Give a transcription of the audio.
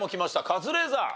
カズレーザー。